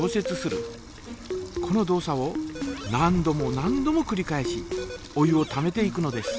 この動作を何度も何度もくり返しお湯をためていくのです。